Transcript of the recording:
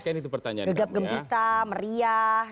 gegap gempita meriah